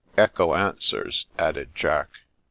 " Echo answers," added Jack.